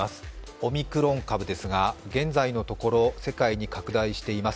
オミクロン株ですが現在のところ世界に拡大しています。